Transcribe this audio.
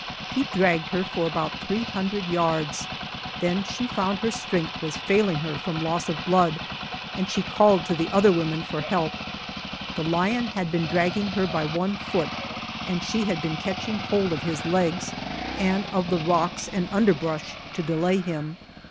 He dragged her for about 300 yards, then she found her strength was failing her from loss of blood, and she called to the other women for help. The lion had been dragging her by one foot, and she had been catching hold of his legs, and of the rocks and underbrush, to delay him.